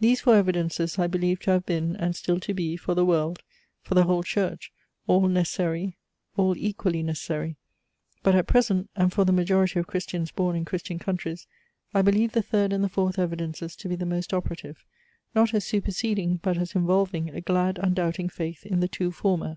These four evidences I believe to have been and still to be, for the world, for the whole Church, all necessary, all equally necessary: but at present, and for the majority of Christians born in Christian countries, I believe the third and the fourth evidences to be the most operative, not as superseding but as involving a glad undoubting faith in the two former.